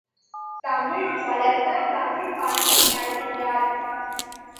தமிழ் வளர்க்கத் தமிழ்ப்பண்ணை நடத்துகிறார்.